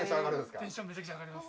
テンションめちゃくちゃ上がります。